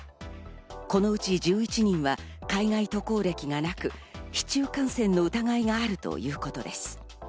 このうち１１人は海外渡航歴がなく、市中感染の疑いがあるということです。